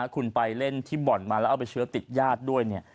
คุณไปเล่นที่บ่อนมาแล้วเอาไปเชื้อติดยาด